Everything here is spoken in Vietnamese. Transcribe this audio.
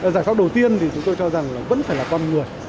giải pháp đầu tiên thì chúng tôi cho rằng là vẫn phải là con người